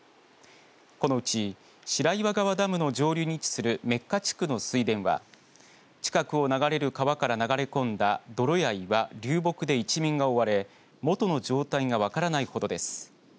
このうち白岩川ダムの上流に位置する目桑地区の水田は近くを流れる川から流れ込んだ泥や岩流木で一面が覆われ元の状態が分からないほどです。